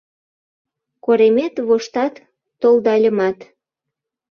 Коремет воштат толдальымат, -